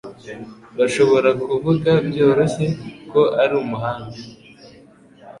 Urashobora kuvuga byoroshye ko ari umuhanga.